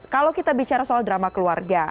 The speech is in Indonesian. kalau kita bicara soal drama keluarga